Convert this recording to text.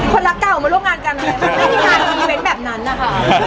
คนรักเก่ามาร่วมงานกันไงไม่ได้การคิมเว้นแบบนั้นอ่ะค่ะ